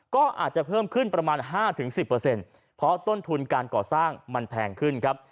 ก็อาจจะเพิ่มขึ้นประมาณ๕๑๐เพราะต้นทุนการก่อสร้างมันแพงขึ้นครับ